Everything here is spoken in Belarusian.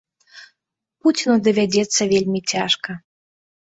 Пуціну давядзецца вельмі цяжка.